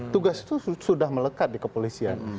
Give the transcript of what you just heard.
tugas itu sudah melekat di kepolisian